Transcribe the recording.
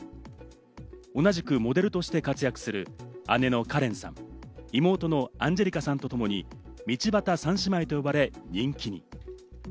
同じくモデルとして活躍する姉のカレンさん、妹のアンジェリカさんとともに、道端三姉妹と呼ばれ、人気に。